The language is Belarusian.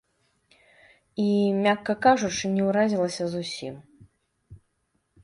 І, мякка кажучы, не ўразілася, зусім.